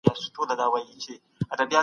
بد دوست غم زياتوي